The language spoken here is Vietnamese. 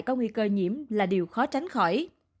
các thành viên đều có nguy cơ nhiễm là điều khó tránh khỏi